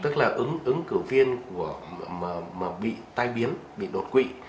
tức là ứng cử viên mà bị tai biến bị đột quỵ